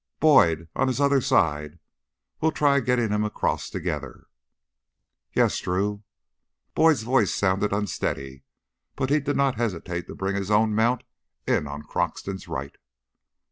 "Boyd ... on his other side! We'll try gettin' him across together." "Yes, Drew." Boyd's voice sounded unsteady, but he did not hesitate to bring his own mount in on Croxton's right.